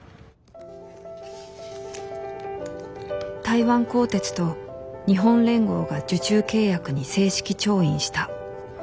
台湾高鐵と日本連合が受注契約に正式調印した。